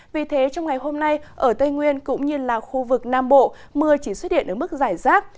vì thế trong ngày hôm nay ở tây nguyên cũng như là khu vực nam bộ mưa chỉ xuất hiện ở mức giải rác